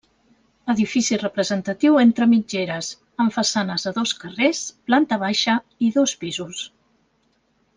Edifici representatiu entre mitgeres, amb façanes a dos carrers, planta baixa i dos pisos.